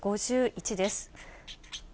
１５１です。